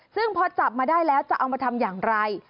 ซึ่งพอจับมาได้แล้วจะเอามาทำอย่างไร